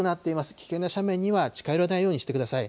危険な斜面には近寄らないようにしてください。